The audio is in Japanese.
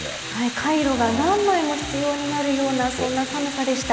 カイロが何枚も必要になるようなそんな寒さでした。